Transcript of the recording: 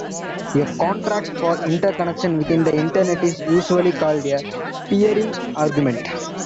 A contract for interconnection within the Internet is usually called a peering agreement.